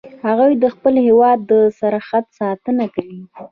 هغوی د خپل هیواد د سرحد ساتنه کوي